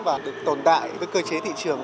và được tồn tại với cơ chế thị trường